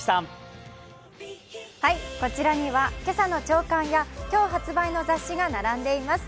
こちらには今朝の朝刊や今日発売の雑誌が並んでいます。